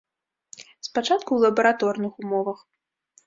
Спачатку ў лабараторных умовах.